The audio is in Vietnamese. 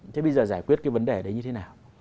thế bây giờ giải quyết cái vấn đề đấy như thế nào